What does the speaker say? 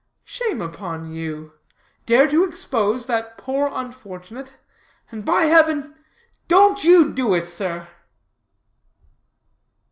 "Shame upon you. Dare to expose that poor unfortunate, and by heaven don't you do it, sir."